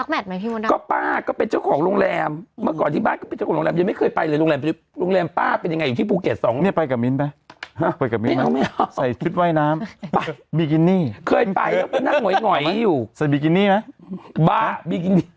ไม่เคยเห็นไม่เคยเห็นไม่เคยเห็นไม่เคยเห็นไม่เคยเห็นไม่เคยเห็นไม่เคยเห็นไม่เคยเห็นไม่เคยเห็นไม่เคยเห็น